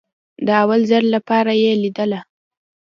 د اول ځل لپاره يې ليدله.